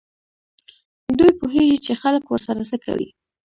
دوی پوهېږي چې خلک ورسره څه کوي.